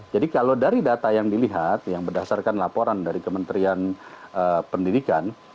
jadi kalau dari data yang dilihat yang berdasarkan laporan dari kementerian pendidikan